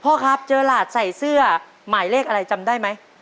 พ่อครับเจอหลาดใส่เสื้อหมายเลขอะไรจำได้ไหม